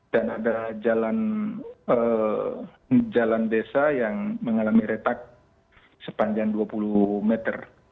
dan ada jalan desa yang mengalami retak sepanjang dua puluh meter